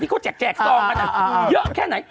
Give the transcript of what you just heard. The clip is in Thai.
เขาแจกซองกันเยอะแค่ไหน